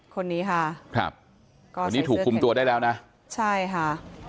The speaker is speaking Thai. คนนี้ค่ะครับก็วันนี้ถูกคุมตัวได้แล้วนะใช่ค่ะ